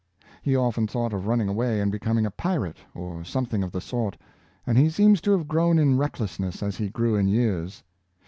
'' He often thought of running away and becoming a pirate, or something of the sort, and he seems to have grown in recklessness as he grew in years.